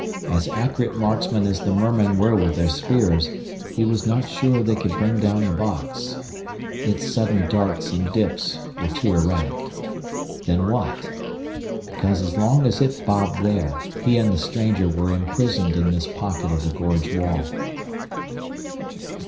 As accurate marksmen as the mermen were with their spears, he was not sure they could bring down the box. Its sudden darts and dips were too erratic. Then what? Because as long as it bobbed there, he and the stranger were imprisoned in this pocket of the gorge wall.